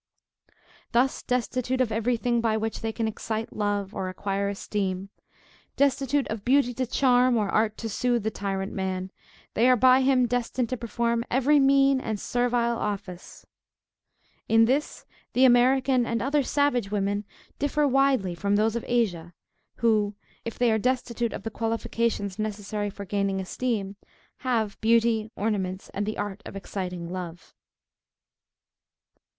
Thus destitute of every thing by which they can excite love, or acquire esteem; destitute of beauty to charm, or art to soothe, the tyrant man; they are by him destined to perform every mean and servile office. In this the American and other savage women differ widely from those of Asia, who, if they are destitute of the qualifications necessary for gaining esteem, have beauty, ornaments, and the art of exciting love.